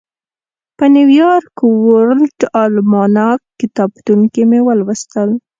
په نیویارک ورلډ الماناک کتابتون کې مې ولوستل.